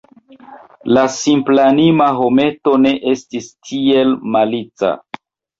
La simplanima hometo ne estis tiel malica.